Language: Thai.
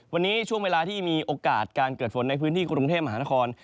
วันนี้ช่วงเวลาที่มีโอกาสการเกิดฝนในพื้นที่กรุงเทพมหานคร